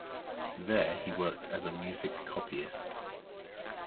There he worked hard as a music copyist.